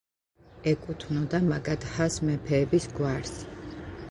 ეკუთვნოდა მაგადჰას მეფეების გვარს.